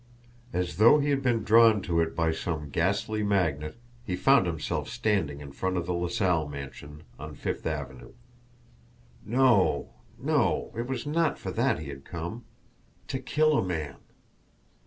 As though he had been drawn to it by some ghastly magnet, he found himself standing in front of the LaSalle mansion, on Fifth Avenue. No, no; it was not for that he had come to kill a man!